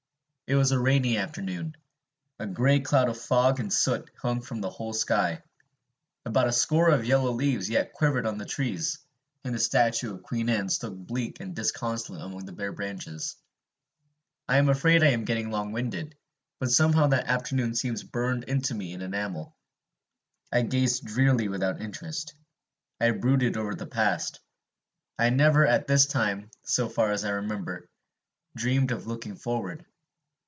It was a rainy afternoon. A gray cloud of fog and soot hung from the whole sky. About a score of yellow leaves yet quivered on the trees, and the statue of Queen Anne stood bleak and disconsolate among the bare branches. I am afraid I am getting long winded, but somehow that afternoon seems burned into me in enamel. I gazed drearily without interest. I brooded over the past; I never, at this time, so far as I remember, dreamed of looking forward.